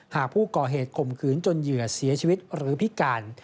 หากผู้ก่อเหตุข่มขืนจนเหยื่อเสียชีวิตหรือพิการ